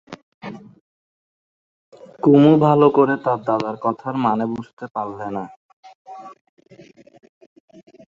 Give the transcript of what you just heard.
কুমু ভালো করে তার দাদার কথার মানে বুঝতে পারলে না।